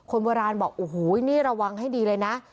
คนโบราณบอกโอ้โหนี่ระวังให้ดีเลยนะ